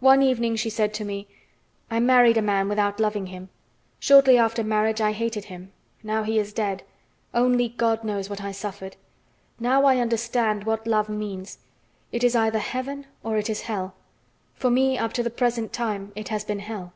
One evening she said to me: "I married a man without loving him. Shortly after marriage I hated him. Now he is dead. Only God knows what I suffered. Now I understand what love means; it is either heaven or it is hell. For me, up to the present time, it has been hell."